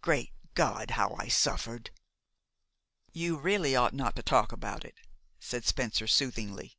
Great God! how I suffered!" "You really ought not to talk about it," said Spencer soothingly.